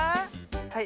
はい。